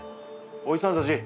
おじさんたち。